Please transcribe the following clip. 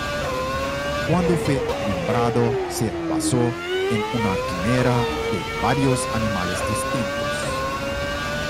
Cuando fue nombrado, se basó en una quimera de varios animales distintos.